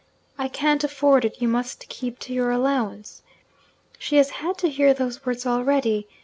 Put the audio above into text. "I can't afford it; you must keep to your allowance." She has had to hear those words already.